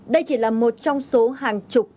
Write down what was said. đây chỉ là một trong số hàng chục